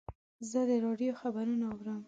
زه د راډیو خبرونه اورم.